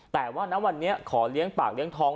แต่ว่าณวันนี้ขอเลี้ยงปากเลี้ยงทอง